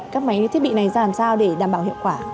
các máy thiết bị này ra làm sao để đảm bảo hiệu quả